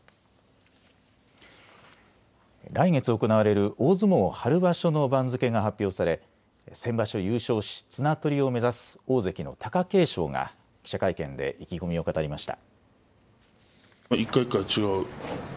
来月行われる大相撲春場所の番付が発表され先場所優勝し綱とりを目指す大関の貴景勝が記者会見で意気込みを語りました。